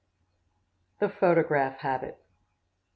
The Photograph Habit.